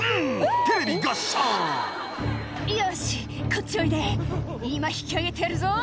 テレビガッシャン「よしこっちおいで今引き上げてやるぞ」